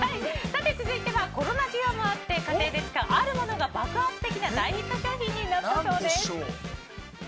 続いてコロナ需要もあって家庭で使うあるものが爆発的大ヒット商品になったそうです。